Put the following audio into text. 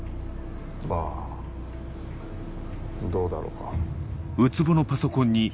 まぁどうだろか。